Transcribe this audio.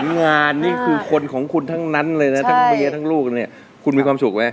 นี่คือคนของคุณทั้งนั้นเลยแหละนะคุณมีความสุขไว้